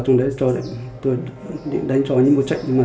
không những chỉ đe dọa sống trên mặt